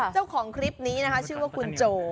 เจ้าของคลิปนี้นะคะชื่อว่าคุณโจ